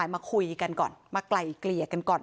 มาคุยกันก่อนมาไกลเกลี่ยกันก่อน